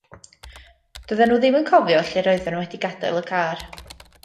Doedden nhw ddim yn cofio lle roedden nhw wedi gadael y car.